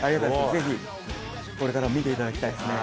ぜひ、これからも見ていただきたいですね。